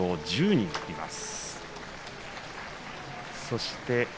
１０人います。